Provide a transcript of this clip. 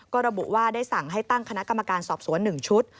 ก็ระบุว่าได้สั่งให้ตั้งคณะกรรมการสอบสวน๑ชุด